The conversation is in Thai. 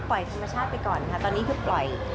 ธรรมชาติไปก่อนค่ะตอนนี้คือปล่อย